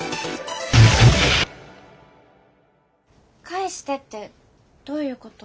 返してってどういうこと？